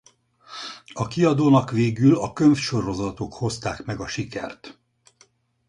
A kiadónak végül a könyvsorozatok hozták meg a sikert.